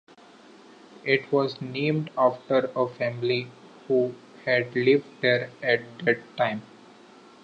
It was named after a family who had lived there at that time.